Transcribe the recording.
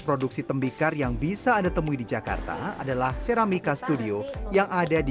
produksi tembikar yang bisa anda temui di jakarta adalah seramika studio yang ada di